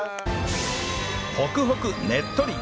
ホクホクねっとり